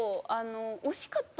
惜しかった。